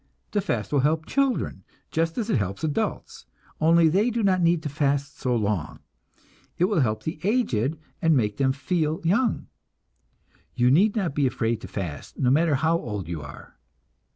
The fast will help children, just as it helps adults, only they do not need to fast so long. It will help the aged and make them feel young. (You need not be afraid to fast, no matter how old you are.)